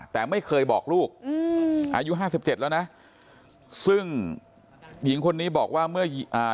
แต่ไม่เคยบอกลูกอืมอายุห้าสิบเจ็ดแล้วนะซึ่งหญิงคนนี้บอกว่าเมื่ออ่า